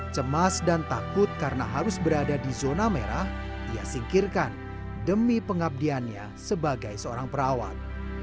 cemas dan takut karena harus berada di zona merah ia singkirkan demi pengabdiannya sebagai seorang perawat